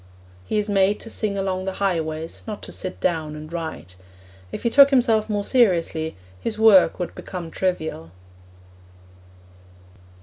He is made to sing along the highways, not to sit down and write. If he took himself more seriously, his work would become trivial.